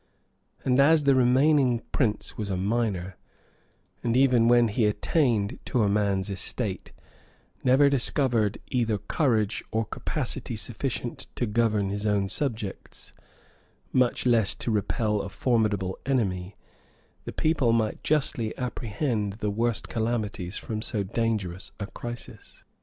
And as the reigning prince was a minor, and even when he attained to man's estate, never discovered either courage or capacity sufficient to govern his own subjects, much less to repel a formidable enemy, the people might justly apprehend the worst calamities from so dangerous a crisis.